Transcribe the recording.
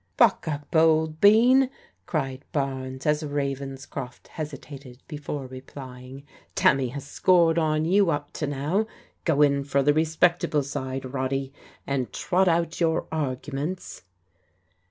" "Buck up, old bean," cried Barnes, as Ravenscroft hesitated before replying. " Tammy has scored on you up to now. Go in for the respectable side, Roddy, and trot out your arguments."